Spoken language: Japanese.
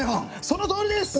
そのとおりです！